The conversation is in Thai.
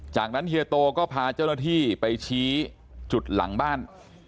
จากนั้นเฮียโตก็พาเจ้าหน้าที่ไปชี้จุดหลังบ้าน